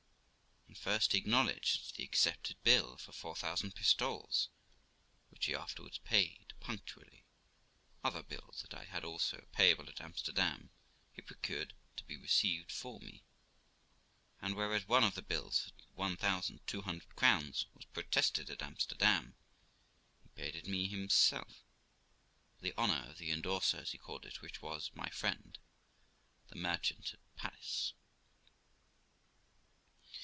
And first he acknowledged the accepted bill for four thousand pistoles, which he afterwards paid punctually; other bills that I had also, payable at Amster dam, he procured to be received for me; and, whereas one of the bills for one thousand two hundred crowns was protested at Amsterdam, he paid it me himself, for the honour of the indorser, as he called it, which was my friend the merchant at Paris.